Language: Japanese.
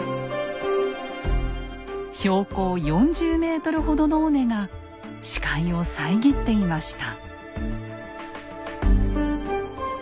標高４０ｍほどの尾根が視界を遮っていました。